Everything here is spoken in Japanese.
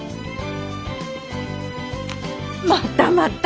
またまた。